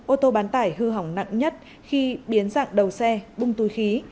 ô tô bán tải hư hỏng nặng nhất khi biến dạng đầu xe bung túi khí